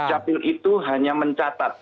capil itu hanya mencatat